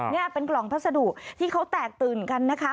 นี่เป็นกล่องพัสดุที่เขาแตกตื่นกันนะคะ